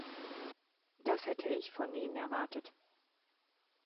Das hätte ich von Ihnen erwartet!